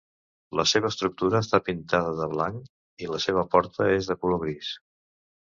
La seva estructura està pintada de blanc, i la seva porta és de color gris.